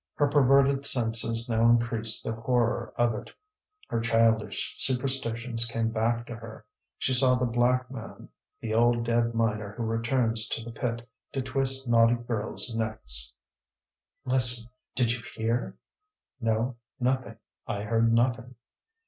Her perverted senses now increased the horror of it; her childish superstitions came back to her; she saw the Black Man, the old dead miner who returns to the pit to twist naughty girls' necks. "Listen! did you hear?" "No, nothing; I heard nothing."